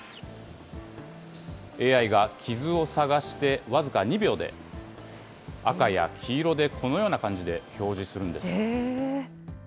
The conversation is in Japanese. ＡＩが傷を探して、僅か２秒で、赤や黄色で、このような感じで表示するんです。